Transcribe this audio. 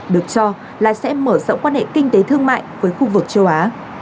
được cho là sẽ mở rộng quan hệ kinh tế thương mại với khu vực châu á